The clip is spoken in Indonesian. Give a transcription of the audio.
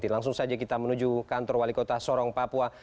langsung saja kita menuju kantor wali kota sorong papua